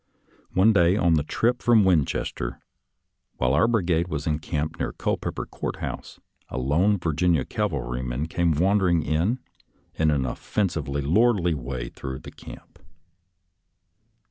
One day on the trip from Winchester, while our brigade was encamped near Culpeper Court House, a lone Virginia cslv alryman came wandering in an offensively lordly way through the camp.